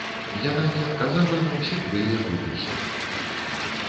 Яна не адказала на ўсе тры яго пісьмы.